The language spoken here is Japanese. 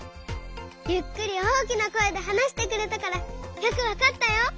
ゆっくり大きなこえではなしてくれたからよくわかったよ。